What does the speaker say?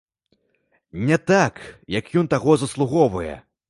Не так, як ён таго заслугоўвае.